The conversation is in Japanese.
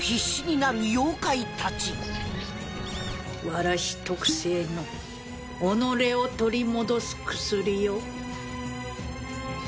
わらし特製の己を取り戻す薬よ。